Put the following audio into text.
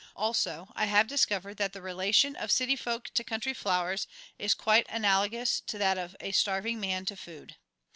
Also, I have discovered that the relation of city folk to country flowers is quite analogous to that of a starving man to food.